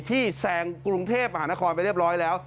แซงกรุงเทพมหานครไปเรียบร้อยแล้ว